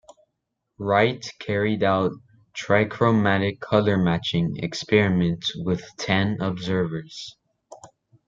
Wright carried out trichromatic color matching experiments with ten observers.